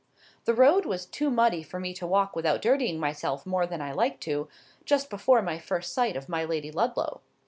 The road was too muddy for me to walk without dirtying myself more than I liked to do, just before my first sight of my Lady Ludlow.